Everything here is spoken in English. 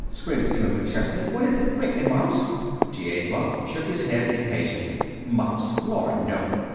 screamed Emma McChesney. "What is it? Quick! A mouse?" T. A. Buck shook his head, impatiently. "Mouse! Lord, no!